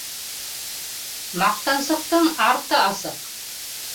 Маҡтансыҡтың арты асыҡ